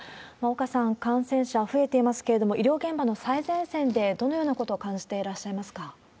岡さん、感染者増えていますけれども、医療現場の最前線でどのようなことを感じていらっしゃいますか？